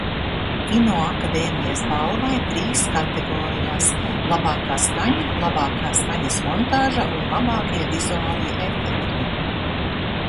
"Kinoakadēmijas balvai trīs kategorijās: "Labākā skaņa", "Labākā skaņas montāža" un "Labākie vizuālie efekti"."